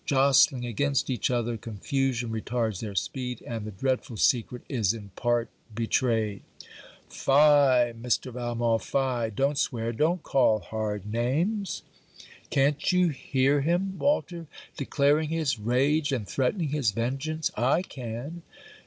Jostling against each other, confusion retards their speed, and the dreadful secret is in part betrayed. Fye! Mr. Valmont, fye! don't swear! don't call hard names! Can't you hear him, Walter, declaring his rage, and threatening his vengeance? I can.